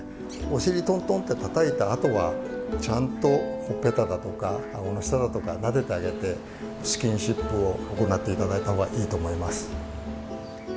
おしりトントンって叩いたあとはちゃんとほっぺただとかあごの下だとかなでてあげてスキンシップを行っていただいた方がいいと思います。